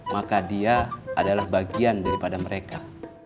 maka dia adalah bagian daripada mereka